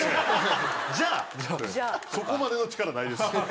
そこまでの力ないです。